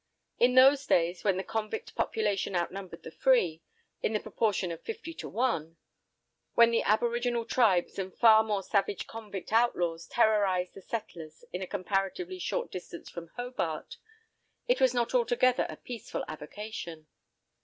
In those days when the convict population outnumbered the free, in the proportion of fifty to one, when the aboriginal tribes and far more savage convict outlaws terrorised the settlers at a comparatively short distance from Hobart, it was not altogether a peaceful avocation.